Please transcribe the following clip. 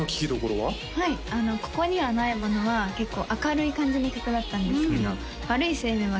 はい「ここにはないもの」は結構明るい感じの曲だったんですけど「悪い成分」は